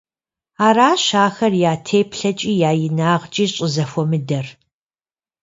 Аращ ахэр я теплъэкIи я инагъкIи щIызэхуэмыдэр.